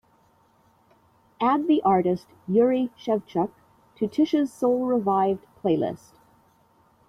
Add the artist Jurij Szewczuk to tisha's soul revived playlist.